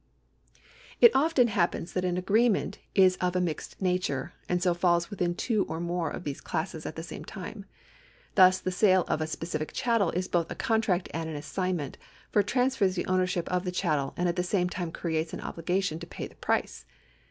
If often ha])pens that an agreement is of a mixed nature, and so falls within two or more of these chisscs at the same time. Thus the sale of a specific chattel is both a contract and an assignment, for it transfers the ownership of the chattel and at the same time creates an obligation to ])ay the price.